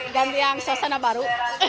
setiap lebaran kita beli sepatu baru